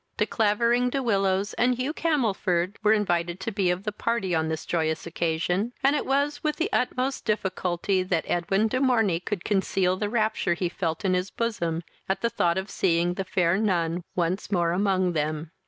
De Clavering, De Willows, and Hugh Camelford, were invited to be of the party on this joyous occasion, and it was with the utmost difficulty that Edwin de Morney could conceal the rapture he felt in his bosom at the thought of seeing the fair nun once more among them.